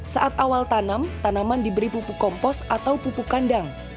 saat awal tanam tanaman diberi pupuk kompos atau pupuk kandang